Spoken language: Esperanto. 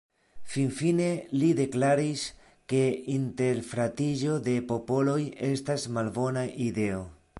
Finfine li deklaris, ke interfratiĝo de popoloj estas malbona ideo.